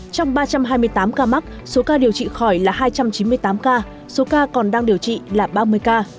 trong ba trăm hai mươi tám ca mắc số ca điều trị khỏi là hai trăm chín mươi tám ca số ca còn đang điều trị là ba mươi ca